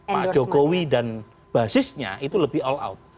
pak jokowi dan basisnya itu lebih all out